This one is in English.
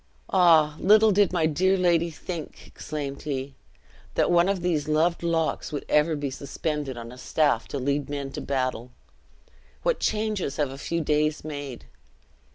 "Ah! little did my dear lady think," exclaimed he, "that one of these loved locks would ever be suspended on a staff to lead men to battle! What changes have a few days made!